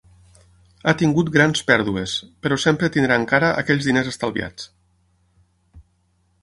Ha tingut grans pèrdues, però sempre tindrà encara aquells diners estalviats.